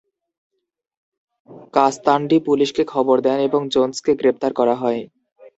কাস্তান্ডি পুলিশকে খবর দেন এবং জোনসকে গ্রেপ্তার করা হয়।